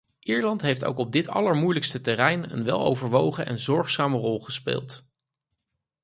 Ierland heeft ook op dit allermoeilijkste terrein een weloverwogen en zorgzame rol gespeeld.